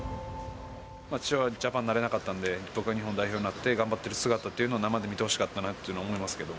父はジャパンになれなかったんで、僕が日本代表になって、頑張っている姿っていうのを、生で見てほしかったなというのは思いますけど。